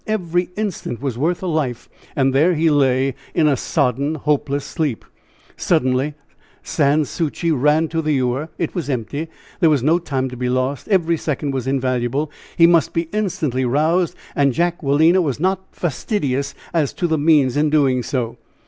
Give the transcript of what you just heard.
Every instant was worth a life, and there he lay in a sodden, hopeless sleep. Suddenly Sans Souci ran to the ewer; it was empty. There was no time to be lost! every second was invaluable! He must be instantly roused, and Jacquelina was not fastidious as to the means in doing so!